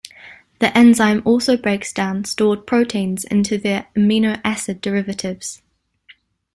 The enzyme also breaks down stored proteins into their amino acid derivatives.